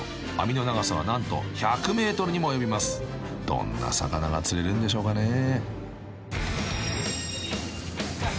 ［どんな魚が釣れるんでしょうかねぇ］